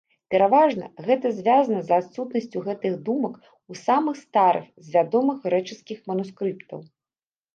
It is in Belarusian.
Пераважна, гэта звязана з адсутнасцю гэтых думак у самых старых з вядомых грэчаскіх манускрыптаў.